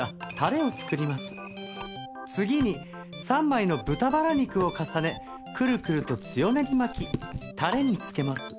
次に３枚の豚バラ肉を重ねくるくると強めに巻きタレに漬けます。